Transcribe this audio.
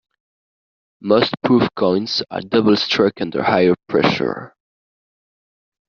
Most proof coins are double struck under higher pressure.